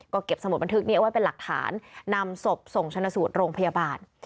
ก็เก็บสมุดบันทึกนี้เอาไว้เป็นหลักฐานนำศพส่งชนะสูตรโรงพยาบาล